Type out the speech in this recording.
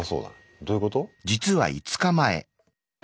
どういうこと？